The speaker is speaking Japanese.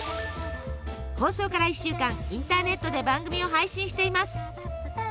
放送から一週間インターネットで番組を配信しています。